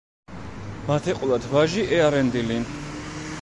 მათ ეყოლათ ვაჟი ეარენდილი.